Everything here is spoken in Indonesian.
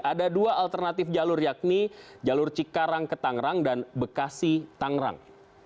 ada dua alternatif jalur yakni jalur cikarang ke tangerang dan bekasi tangerang